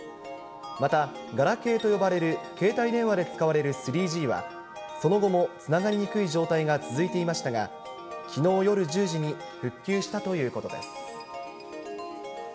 また、ガラケーと呼ばれる携帯電話で使われる３Ｇは、その後もつながりにくい状態が続いていましたが、きのう夜１０時に復旧したということです。